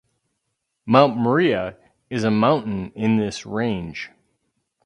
Mount Maria is a mountain in this range.